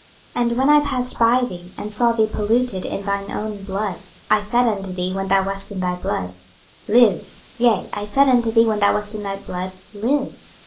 26:016:006 And when I passed by thee, and saw thee polluted in thine own blood, I said unto thee when thou wast in thy blood, Live; yea, I said unto thee when thou wast in thy blood, Live.